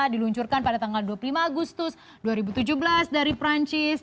diluncurkan pada tanggal dua puluh lima agustus dua ribu tujuh belas dari perancis